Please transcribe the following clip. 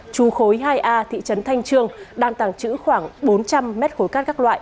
chú khối hai a thị trấn thanh trương đang tàng trữ khoảng bốn trăm linh mét khối cát các loại